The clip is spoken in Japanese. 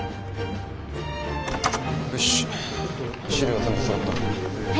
よし資料は全部そろったな。